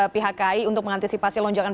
pihak kai untuk mengantisipasi lonjakan